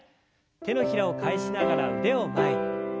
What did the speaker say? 手のひらを返しながら腕を前に。